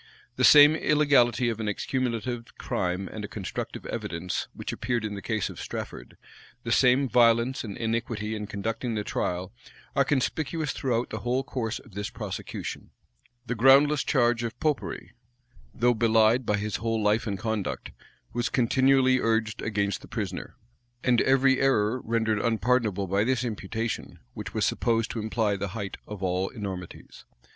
The same illegality of an accumulative crime and a constructive evidence which appeared in the case of Strafford, the same violence and iniquity in conducting the trial, are conspicuous throughout the whole course of this prosecution. The groundless charge of Popery, though belied by his whole life and conduct, was continually urged against the prisoner; and every error rendered unpardonable by this imputation, which was supposed to imply the height of all enormities.